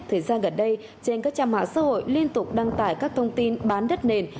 thời gian gần đây trên các trang mạng xã hội liên tục đăng tải các thông tin bán đất nền